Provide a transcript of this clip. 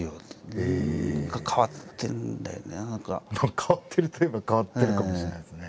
変わってるといえば変わってるかもしれないですね。